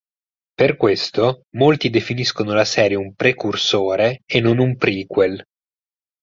Per questo molti definiscono la serie un precursore e non un prequel.